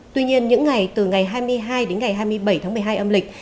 tuy nhiên những ngày từ ngày hai mươi hai đến ngày hai mươi bảy tháng một mươi hai âm lịch